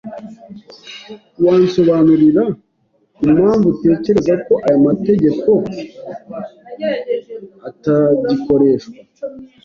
Wansobanurira impamvu utekereza ko aya mategeko atagikoreshwa?